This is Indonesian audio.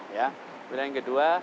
kemudian yang kedua